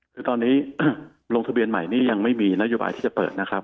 คือตอนนี้ลงทะเบียนใหม่นี้ยังไม่มีนโยบายที่จะเปิดนะครับ